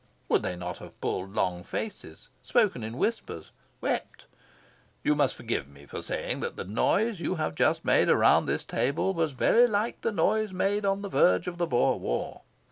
Would they not have pulled long faces, spoken in whispers, wept? You must forgive me for saying that the noise you have just made around this table was very like to the noise made on the verge of the Boer War.